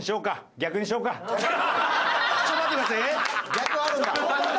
逆あるんだ。